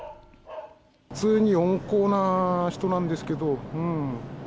普通に温厚な人なんですけど。